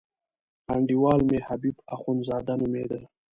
انډیوال مې حبیب اخندزاده نومېده.